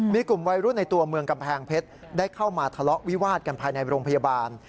มีกลุ่มวัยรุ่นในตัวเมืองกำแพงเพชรได้เข้ามาทะเลาะวิวาดกันภายในโรงพยาบาล